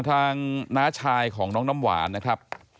น้าชายของน้องน้ำหวานนะครับ